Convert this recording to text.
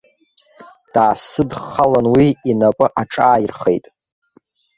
Даасыдххылан уи, инапы аҿааирхеит.